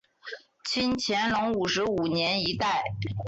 清乾隆五十五年一带。